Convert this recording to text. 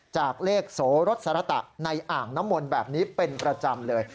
จากเลขโสรสสรตะในอ่างน้ำมนต์แบบนี้เป็นประจำเลย